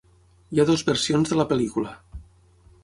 Hi ha dues versions de la pel·lícula.